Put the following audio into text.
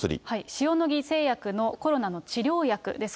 塩野義製薬のコロナの治療薬です。